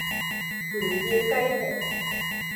唔要雞皮